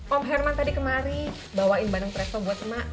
om herman tadi kemari bawain bandung presto buat mak